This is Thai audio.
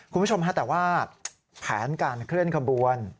คุณผู้ชมฮะแต่ว่าแผนการเคลื่อนขบวน